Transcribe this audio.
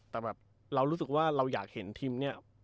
แต่แบบเรารู้สึกว่าเราอยากเห็นทีมเนี่ย